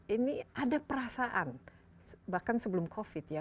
ini ada perasaan bahkan sebelum covid ya